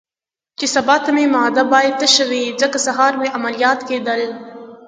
چې سبا ته مې معده باید تشه وي، ځکه سهار مې عملیات کېدل.